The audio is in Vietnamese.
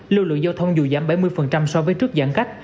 lưu lượng giao thông dù giảm bảy mươi so với trước giãn cách